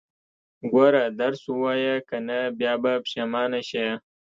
ګوره، درس ووايه، که نه بيا به پښيمانه شې.